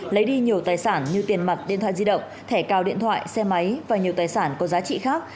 lấy đi nhiều tài sản như tiền mặt điện thoại di động thẻ cào điện thoại xe máy và nhiều tài sản có giá trị khác